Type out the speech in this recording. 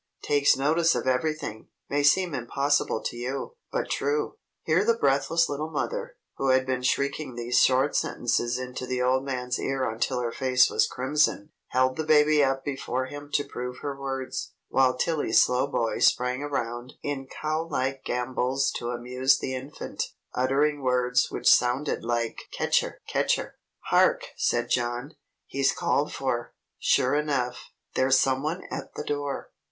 Takes notice of everything. May seem impossible to you, but true." Here the breathless little mother, who had been shrieking these short sentences into the old man's ear until her face was crimson, held the baby up before him to prove her words, while Tilly Slowboy sprang around in cow like gambols to amuse the infant, uttering words which sounded like "Ketcher! Ketcher!" "Hark!" said John. "He's called for, sure enough. There's some one at the door.